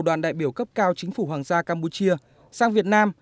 đoàn đại biểu cấp cao chính phủ hoàng gia campuchia sang việt nam